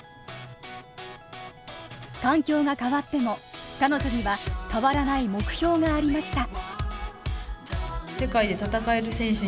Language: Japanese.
環境が変わっても、彼女には変わらない目標がありました。